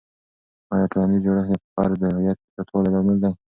آیا ټولنیز جوړښت د فرد د هویت زیاتوالي لامل دی؟